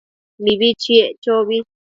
Mibi chiec chobi